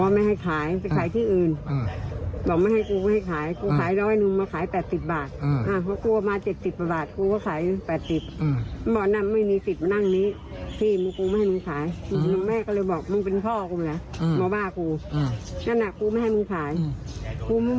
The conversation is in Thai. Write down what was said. มึงไม่ได้เป็นพ่อกูมึงสิบนิ้วกูขายหัวหน้าขายหวย